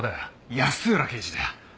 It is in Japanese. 安浦刑事だよ！